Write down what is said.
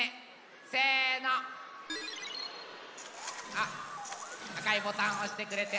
あっあかいボタンおしてくれて。